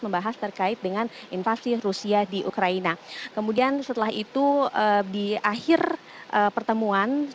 membahas terkait dengan invasi rusia di ukraina kemudian setelah itu di akhir pertemuan